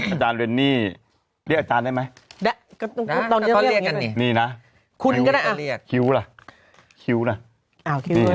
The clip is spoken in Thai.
อาจารย์เรนดี้เรียกอาจารย์ได้ไหมนี่นะคุณก็ได้คิ้วหน้าคิ้วนี่